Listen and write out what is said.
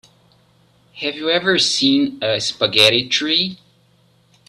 Have you ever seen a spaghetti tree?